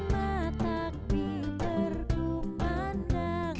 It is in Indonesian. gemah takbir berkumandang